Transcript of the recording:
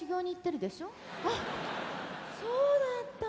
あっそうだった。